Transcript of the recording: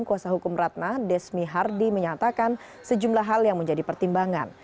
kuasa hukum ratna desmi hardi menyatakan sejumlah hal yang menjadi pertimbangan